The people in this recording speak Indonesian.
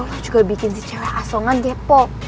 lo juga bikin si cewek asongan kepo